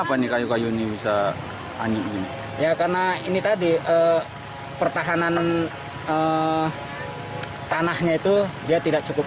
apa nih kayu kayu ini bisa angin ini ya karena ini tadi pertahanan tanahnya itu dia tidak cukup